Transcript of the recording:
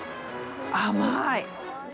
甘い。